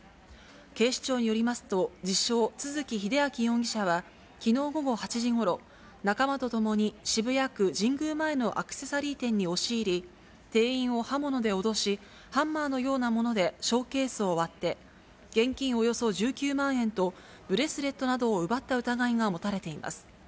警視庁によりますと、自称、都築英明容疑者は、きのう午後８時ごろ、仲間と共に渋谷区神宮前のアクセサリー店に押し入り、店員を刃物で脅し、ハンマーのようなものでショーケースを割って、現金およそ１９万円とブレスレットなどを奪った疑いが持たれています。